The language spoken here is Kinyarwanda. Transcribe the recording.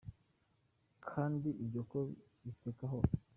Kandi ibyoko biseka hose.